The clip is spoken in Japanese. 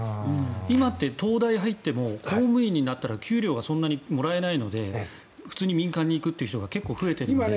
今って東大に入っても公務員になったら給料がそんなにもらえないので普通に民間に行くという人が増えているので。